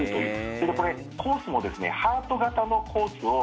それとこれ、コースもハート形のコースを。